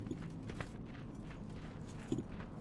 She finds a shotgun with Justin's help.